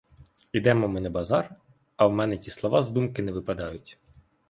Ідемо ми на базар, а в мене ті слова з думки не випадають.